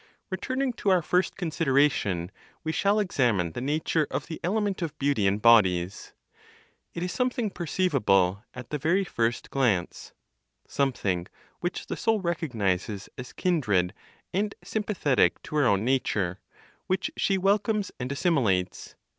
Returning to our first consideration, we shall examine the nature of the element of beauty in bodies. It is something perceivable at the very first glance, something which the soul recognizes as kindred, and sympathetic to her own nature, which she welcomes and assimilates.